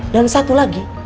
dan satu lagi